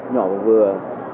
nhỏ và vừa